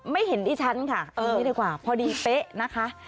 ไม่เห็นที่ชั้นค่ะที่นี่ดีกว่าพอดีเป๊ะนะคะ